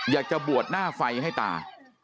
อยากจะบวชหน้าไฟให้ตา